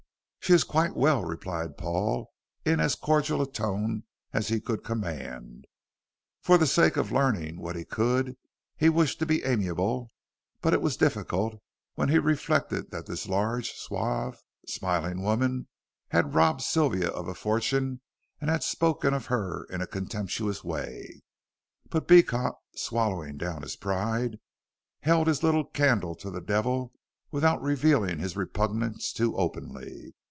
"She is quite well," replied Paul, in as cordial a tone as he could command. For the sake of learning what he could, he wished to be amiable, but it was difficult when he reflected that this large, suave, smiling woman had robbed Sylvia of a fortune and had spoken of her in a contemptuous way. But Beecot, swallowing down his pride, held his little candle to the devil without revealing his repugnance too openly.